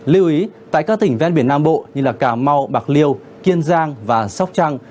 lưu ý tại các tỉnh ven biển nam bộ như cà mau bạc liêu kiên giang và sóc trăng